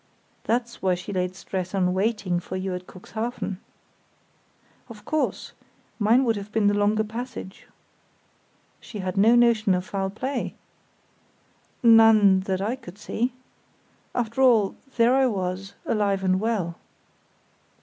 "That's why she laid stress on waiting for you at Cuxhaven?" "Of course; mine would have been the longer passage." "She had no notion of foul play?" "None—that I could see. After all, there I was, alive and well."